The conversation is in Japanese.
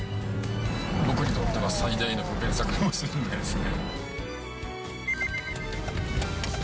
僕にとっては最大の不便さかもしれないですね。